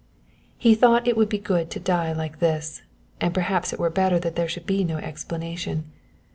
He thought it would be good to die like this and perhaps it were better that there should be no explanation.